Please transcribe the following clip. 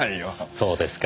そうですか。